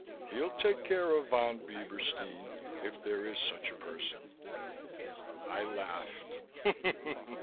He'll take care of Von Bieberstein, if there is such a person." I laughed.